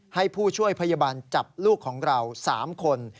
ให้ผู้ช่วยพยาบาลจับลูกของเรา๓คน